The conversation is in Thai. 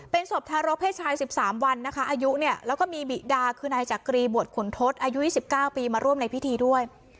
เป็นศพทารกเพศชาย๑๓วันนะคะอายุเนี่ยแล้วก็มีบิดาคือนายจักรีบวชขุนทศอายุ๒๙ปีมาร่วมในพิธีด้วย